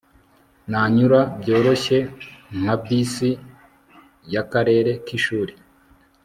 Nanyura byoroshye nka bisi yakarere kishuri